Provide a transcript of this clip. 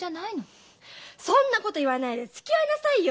そんなこと言わないでつきあいなさいよ！